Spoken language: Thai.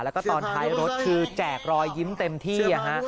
แล้วก็ตอนท้ายรถคือแจกรอยยิ้มเต็มที่